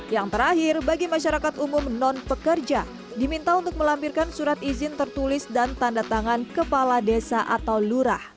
yang terakhir bagi masyarakat umum non pekerja diminta untuk melampirkan surat izin tertulis dan tanda tangan kepala desa atau lurah